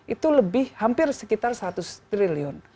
itu lebih hampir sekitar seratus triliun